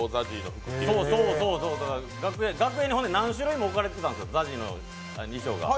楽屋に何種類も置かれてたんです、ＺＡＺＹの衣装が。